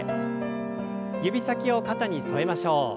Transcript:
指先を肩に添えましょう。